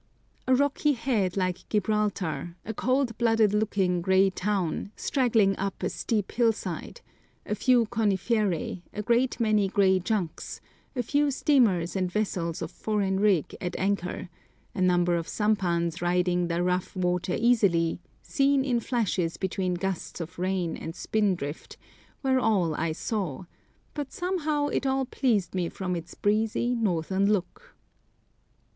A rocky head like Gibraltar, a cold blooded looking grey town, straggling up a steep hillside, a few coniferæ, a great many grey junks, a few steamers and vessels of foreign rig at anchor, a number of sampans riding the rough water easily, seen in flashes between gusts of rain and spin drift, were all I saw, but somehow it all pleased me from its breezy, northern look.